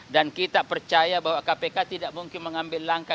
dan kita percaya bahwa kpk tidak mungkin mengambil langkah